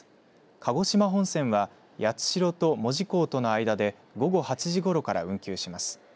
鹿児島本線は八代と門司港との間で午後８時ごろから運休します。